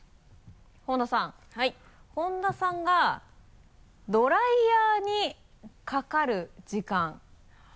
本田さんがドライヤーにかかる時間。